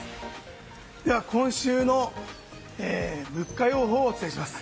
今週の物価予報をお伝えします。